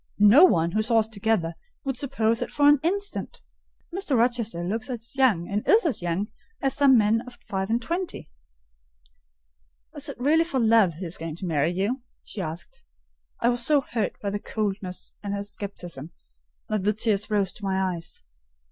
No one, who saw us together, would suppose it for an instant. Mr. Rochester looks as young, and is as young, as some men at five and twenty." "Is it really for love he is going to marry you?" she asked. I was so hurt by her coldness and scepticism, that the tears rose to my eyes.